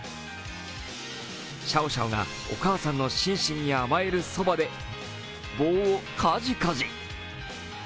シャオシャオがお母さんのシンシンに甘えるそばで棒をカジカジ。